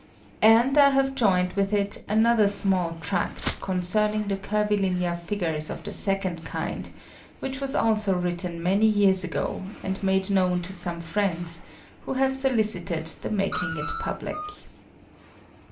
And I have joined with it another small Tract concerning the Curvilinear Figures of the Second Kind, which was also written many Years ago, and made known to some Friends, who have solicited the making it publick.